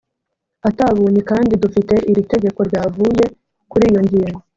atabonye kandi dufite iri tegeko ryavuye kuri yo ngingo